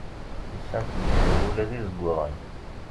Lsant-d iserwula d izeggaɣen.